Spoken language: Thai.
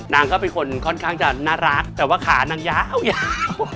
นางก็เป็นคนค่อนข้างจะน่ารักแต่ว่าขานางยาวยาว